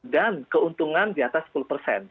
dan keuntungan di atas sepuluh persen